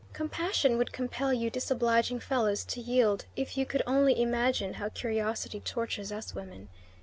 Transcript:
Compassion would compel you disobliging fellows to yield, if you could only imagine how curiosity tortures us women.